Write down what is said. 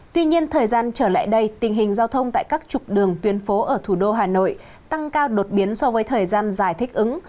tuy nhiên thời gian trở lại đây tình hình giao thông tại các trục đường tuyến phố ở thủ đô hà nội tăng cao đột biến so với thời gian dài thích ứng